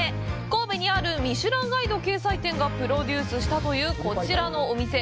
神戸にあるミシュランガイド掲載店がプロデュースしたというこちらのお店。